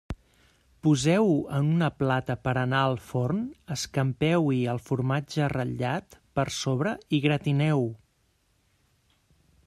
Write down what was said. Poseu-ho en una plata per a anar al forn, escampeu-hi el formatge ratllat per sobre i gratineu-ho.